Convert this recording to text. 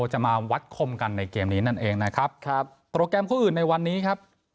จะมาวัดคมกันในเกมนี้นั่นเองนะครับครับโปรแกรมคู่อื่นในวันนี้ครับ